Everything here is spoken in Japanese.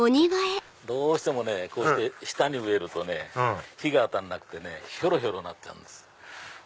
どうしてもねこうして下に植えるとね日が当たらなくてひょろひょろなっちゃうんです。